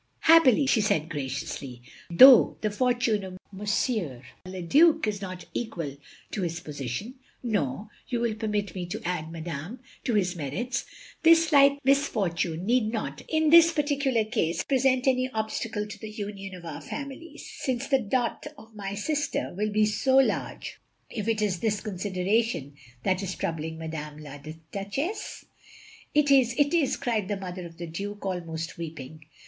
"Happily," she said, graciously, "though the forttine of M. le Due is not equal to his position, nor (you will permit me to add, madame) to his merits, this slight misfortune need not, in this OF GROSVENOR SQUARE 365 particular case, present any obstacle to the tmion of our families, since the dot of my sister will be so large — ^if it is this consideration that is troubling Madame la Duchesse —?" "It is, it is," cried the mother of the Duke, almost weeping.